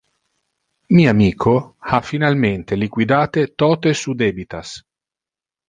Mi amico ha finalmente liquidate tote su debitas.